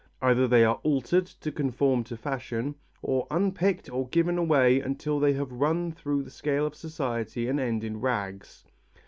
Either they are altered to conform to fashion, or unpicked or given away until they have run through the scale of society and end in rags.